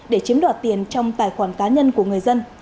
để chiếm đoạt tiền trong tài khoản cá nhân của người dân